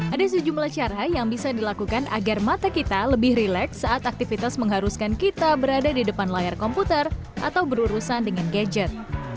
ada sejumlah cara yang bisa dilakukan agar mata kita lebih rileks saat aktivitas mengharuskan kita berada di depan layar komputer atau berurusan dengan gadget